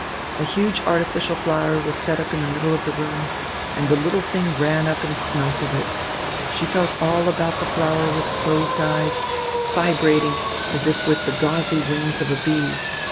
A huge artificial flower was set in the middle of the room, and the little thing ran up and smelt of it. She felt all about the flower with closed eyes, vibrating as if with the gauzy wings of a bee.